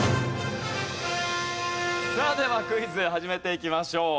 さあではクイズ始めていきましょう。